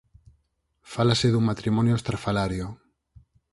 Fálase dun matrimonio estrafalario